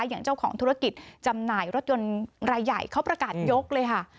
อย่างเจ้าของธุรกิจจำหน่ายรถยนต์รายใหญ่เขาประกาศยกเลยค่ะ